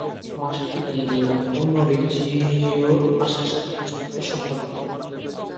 ভাষাটি ডেনীয় ও নরওয়েজীয় ভাষার সাথে ঘনিষ্ঠভাবে সম্পর্কিত।